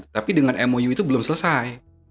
tapi dengan mou itu belum selesai